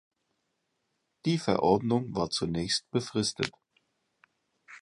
Die Verordnung war zunächst befristet.